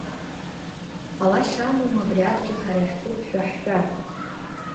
Ҟалашьа амоума абри адгьыл ҳара иаҳтәуп ҳәа ҳҳәар?!